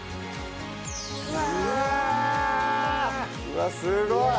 うわっすごい！